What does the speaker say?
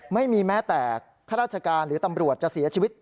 ไม่มีแม้แต่ข้าราชการหรือตำรวจจะเสียชีวิต